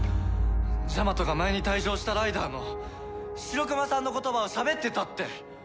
ジャマトが前に退場したライダーのシロクマさんの言葉をしゃべってたって。